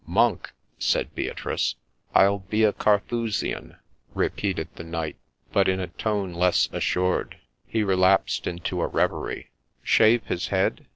' Monk ?' said Beatrice. ' I'll be a Carthusian !' repeated the knight, but in a tone less assured : he relapsed into a reverie. — Shave his head